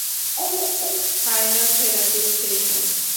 Final therapy session.